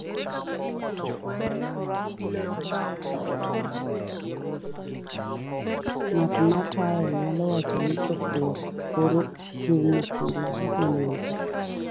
b- Ng'at matayo nyalo wacho ni chokruok koro rumo kendo ji onego